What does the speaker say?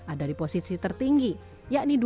ada di posisi tertinggi yakni dua ratus ribu